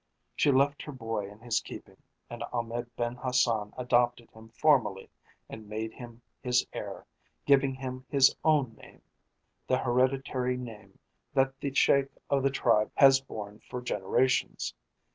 She left her boy in his keeping, and Ahmed Ben Hassan adopted him formally and made him his heir, giving him his own name the hereditary name that the Sheik of the tribe has borne for generations.